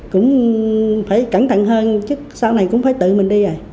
cũng phải cẩn thận hơn chứ sau này cũng phải tự mình đi à